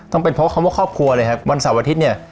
ต้องเป็นเพราะคำว่าครอบครัวเลยครับวันเสาร์อาทิตย์เนี่ย